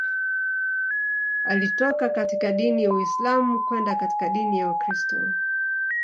Alitoka katika dini Uislam kwenda katika dini ya Ukristo